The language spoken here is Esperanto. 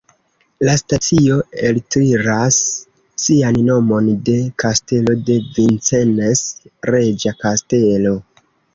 La stacio eltiras sian nomon de Kastelo de Vincennes, reĝa kastelo.